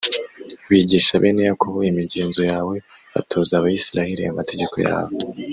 bigisha bene yakobo imigenzo yawe, batoza abayisraheli amategeko yawe,